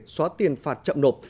xóa tiền phạt chậm nộp